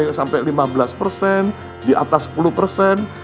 di negara negara lain itu volatilitasnya sampai lima belas persen di atas sepuluh persen